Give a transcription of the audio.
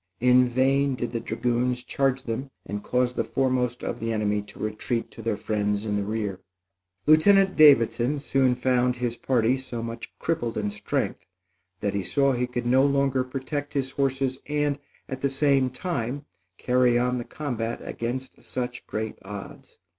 In vain did the dragoons charge them and cause the foremost of the enemy to retreat to their friends in the rear. Lieutenant Davidson soon found his party so much crippled in strength that he saw he could no longer protect his horses and at the same time carry on the combat against such great odds.